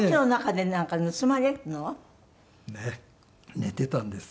寝ていたんです。